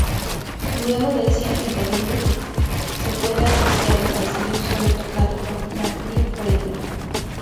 Luego de ese interlude se puede apreciar el sencillo solo tocado por Marty Friedman.